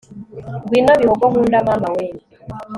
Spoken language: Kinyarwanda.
ngwino bihogo nkunda mama we